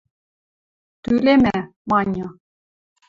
– Тӱлемӓ, – маньы.